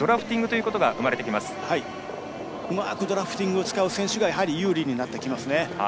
うまくドラフティングを使う選手が有利になりますね。